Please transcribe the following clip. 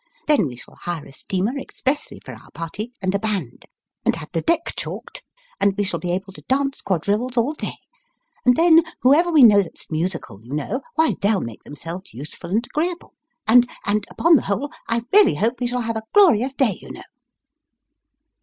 Then, we shall hire a steamer ex pressly for our party, and a band, and have the deck chalked, and we shall be able to dance quadrilles all day; and then, whoever we know that's musical, you know, why they'll make themselves useful and agreeable ; and and upon the whole, I really hope we shall have a glorious day, you know